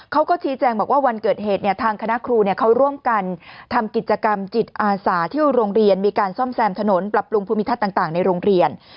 เขาก็ชี้แจงบอกว่าวันเกิดเหตุเนี่ยทางคณะครูเขาร่วมกันทำกิจกรรมจิตอาสาที่โรงเรียนมีการซ่อมแซมถนนปรับปรุงภูมิทัศน์ต่างในโรงเรียน